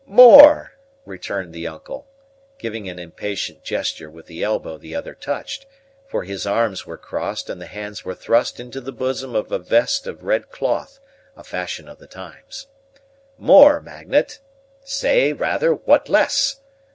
"More!" returned the uncle, giving an impatient gesture with the elbow the other touched, for his arms were crossed, and the hands were thrust into the bosom of a vest of red cloth, a fashion of the times, "more, Magnet! say, rather, what less?